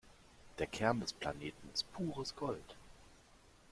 Der Kern des Planeten ist pures Gold.